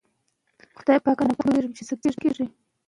ماشوم د مور له خبرو ډاډمن وي.